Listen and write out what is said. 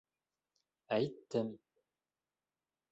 —Әйттем